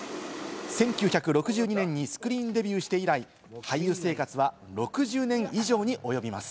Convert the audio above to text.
１９６２年にスクリーンデビューして以来、俳優生活は６０年以上におよびます。